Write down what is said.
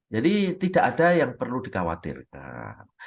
jadi tidak ada yang perlu dikhawatirkan